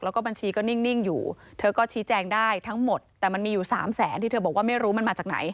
แล้วก็บัญชีก็นิ่งอยู่เธอก็ชี้แจงได้ทั้งหมดแต่มันมีอยู่๓แสนที่เธอบอกว่าไม่รู้มันมาจากไหน